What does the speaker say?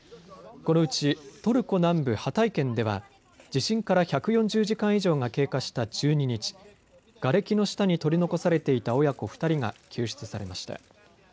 このうちトルコ南部ハタイ県では地震から１４０時間以上が経過した１２日、がれきの下に取り残されていた親子２人が救出されました。